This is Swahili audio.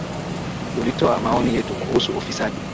Tulitoa maoni yetu kuhusu ufisadi